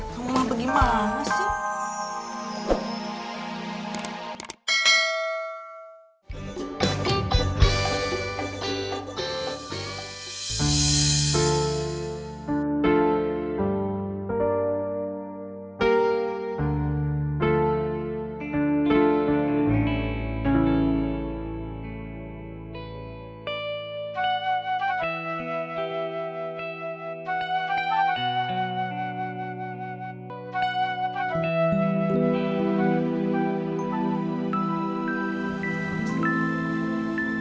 mamah bagaimana sih